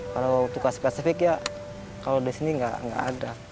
kalau tukang spesifik ya kalau di sini nggak ada